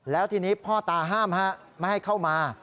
แล้วทีนี้พ่อตาห้ามไม่ให้เข้ามา